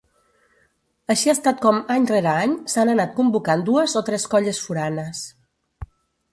Així ha estat com, any rere any, s'han anat convocant dues o tres colles foranes.